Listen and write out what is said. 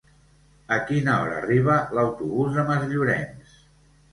A quina hora arriba l'autobús de Masllorenç?